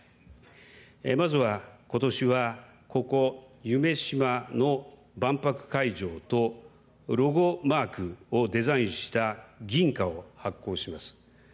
まずはことしはここ、夢洲の万博会場とロゴマークをデザインした銀貨を発行します。